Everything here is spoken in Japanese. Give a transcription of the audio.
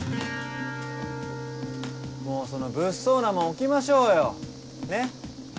もうその物騒なもん置きましょうよねっ。